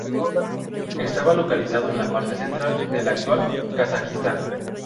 Estaba localizado en la parte central de la actual Kazajistán.